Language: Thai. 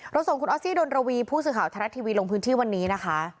ส่งคุณออสซี่ดนรวีผู้สื่อข่าวไทยรัฐทีวีลงพื้นที่วันนี้นะคะ